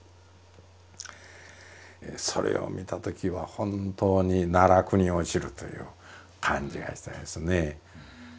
それを見たときは本当に奈落に落ちるという感じがしてですね。